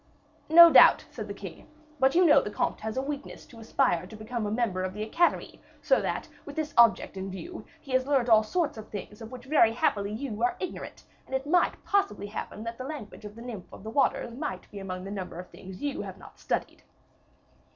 "No doubt," said the king; "but you know the comte has the weakness to aspire to become a member of the Academy, so that, with this object in view, he has learnt all sorts of things of which very happily you are ignorant; and it might possibly happen that the language of the Nymph of the Waters might be among the number of things you have not studied."